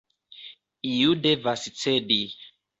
Iu devas cedi.